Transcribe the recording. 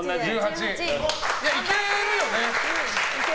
いけるよね。